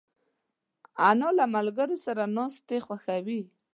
انا له ملګرو سره ناستې خوښوي